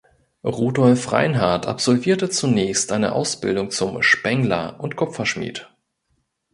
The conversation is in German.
Rudolf Reinhart absolvierte zunächst eine Ausbildung zum Spengler und Kupferschmied.